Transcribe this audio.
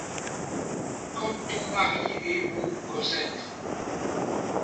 Comme ton mari est bon, Cosette!